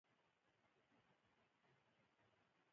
وحشیان ول لورګانې ژوندۍ ښخولې.